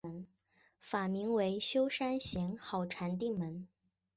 法名为休山贤好禅定门。